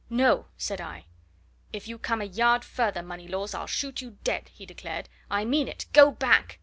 "No!" said I. "If you come a yard further, Moneylaws, I'll shoot you dead!" he declared. "I mean it! Go back!"